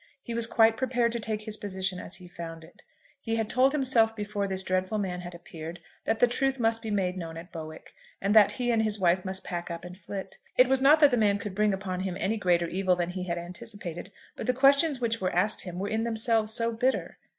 He was quite prepared to take his position as he found it. He had told himself before this dreadful man had appeared, that the truth must be made known at Bowick, and that he and his wife must pack up and flit. It was not that the man could bring upon him any greater evil than he had anticipated. But the questions which were asked him were in themselves so bitter!